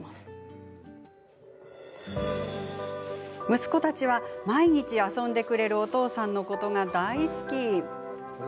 息子たちは毎日、遊んでくれるお父さんのことが大好き。